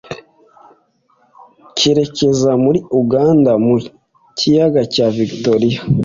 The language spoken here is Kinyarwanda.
kerekeza muri u ganda mu kiyaga cya vigitoriya.